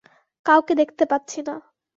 কাউকে দেখতে পাচ্ছিনা।